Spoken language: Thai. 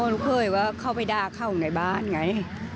หนูเคยว่าเข้าไปด่าเข้าในบ้านไง